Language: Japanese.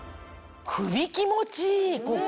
首気持ちいいここ。